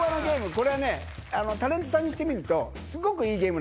これはねタレントさんにしてみるとスゴくいいゲームなんですよ。